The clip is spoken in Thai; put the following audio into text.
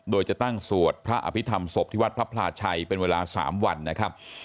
โดยจะตั้งสวดพระอภิษฐรรมศพที่วัดพระพลาชัยเป็นเวลา๓วันนะครับ